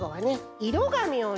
いろがみをね